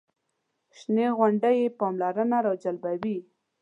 شنې غونډۍ یې پاملرنه راجلبوي.